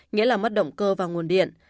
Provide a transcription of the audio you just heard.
nghĩa là mất động cơ và nguồn điện